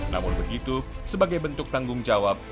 namun begitu sebagai bentuk tanggung jawab